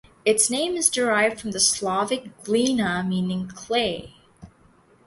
Its name is derived from Slavic "Glina", meaning "clay".